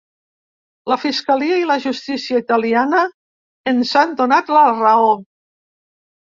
La fiscalia i la justícia italiana ens han donat la raó.